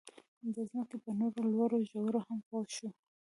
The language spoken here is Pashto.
د ځمکې په نورو لوړو ژورو هم پوه شو.